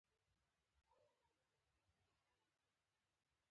ډرامه باید یووالی وښيي